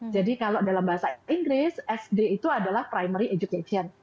kalau dalam bahasa inggris sd itu adalah primary education